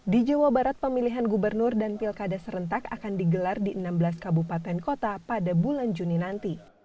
di jawa barat pemilihan gubernur dan pilkada serentak akan digelar di enam belas kabupaten kota pada bulan juni nanti